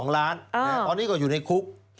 ๒ล้านตอนนี้ก็อยู่ในคุก